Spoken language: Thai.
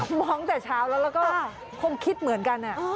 มองตั้งแต่เช้าแล้วก็คงคิดเหมือนกัน